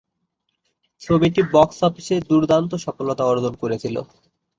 ছবিটি বক্স অফিসে দুর্দান্ত সফলতা অর্জন করেছিল।